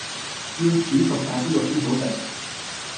要煮熟晒啲肉先好食